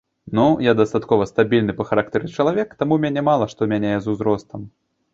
Ну, я дастаткова стабільны па характары чалавек, таму мяне мала што мяняе з узростам.